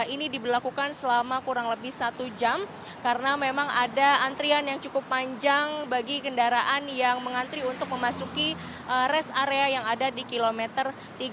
ini diberlakukan selama kurang lebih satu jam karena memang ada antrian yang cukup panjang bagi kendaraan yang mengantri untuk memasuki rest area yang ada di kilometer tiga puluh